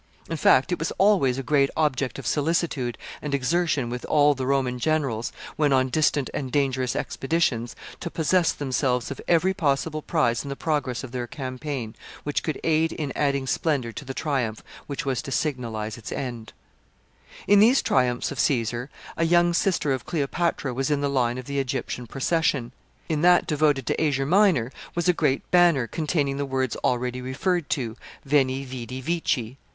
In fact, it was always a great object of solicitude and exertion with all the Roman generals, when on distant and dangerous expeditions, to possess themselves of every possible prize in the progress of their campaign which could aid in adding splendor to the triumph which was to signalize its end. [Sidenote: Banners and paintings.] In these triumphs of Caesar, a young sister of Cleopatra was in the line of the Egyptian procession. In that devoted to Asia Minor was a great banner containing the words already referred to, Veni, Vidi, Vici.